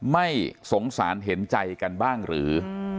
ไม่สงสารเห็นใจกันบ้างหรือ